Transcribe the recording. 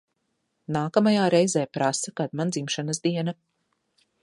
Nākamajā reizē prasa, kad man dzimšanas diena.